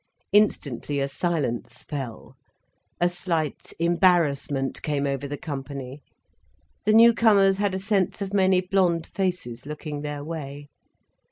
Instantly a silence fell, a slight embarrassment came over the company. The newcomers had a sense of many blond faces looking their way.